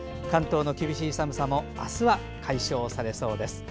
関東の厳しい寒さもあすは解消されそうです。